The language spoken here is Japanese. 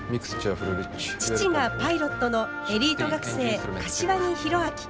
父がパイロットのエリート学生柏木弘明。